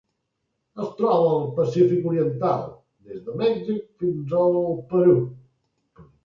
Es troba al Pacífic oriental: des de Mèxic fins al Perú.